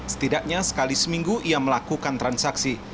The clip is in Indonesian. setidaknya sekali seminggu ia melakukan transaksi